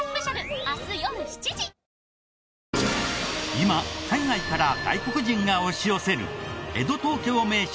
今海外から外国人が押し寄せる江戸・東京名所